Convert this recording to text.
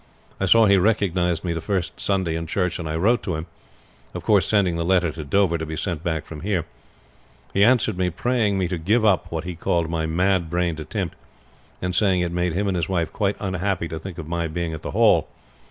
I saw he recognized me the first Sunday in church, and I wrote to him; of course sending the letter to Dover to be sent back from there. He answered me praying me to give up what he called my mad brained attempt, and saying it made him and his wife quite unhappy to think of my being at the Hall.